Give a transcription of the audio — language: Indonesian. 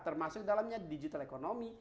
termasuk dalamnya digital economy